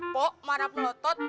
pok marah melotot